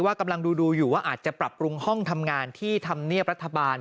กำลังดูอยู่ว่าอาจจะปรับปรุงห้องทำงานที่ธรรมเนียบรัฐบาล